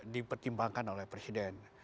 dipertimbangkan oleh presiden